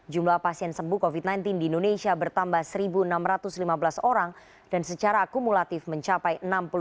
jumlah pasien sembuh covid sembilan belas di indonesia bertambah satu enam ratus lima belas orang dan secara akumulatif mencapai enam puluh lima